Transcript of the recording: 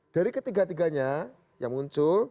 dari ketiga tiganya yang muncul